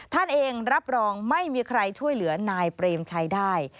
ท่านเองรับรองไม่มีใครช่วยเหลือนายเปรมชัยได้